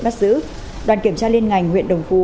bắt giữ đoàn kiểm tra liên ngành huyện đồng phú